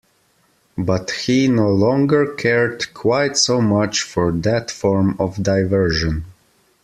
But he no longer cared quite so much for that form of diversion.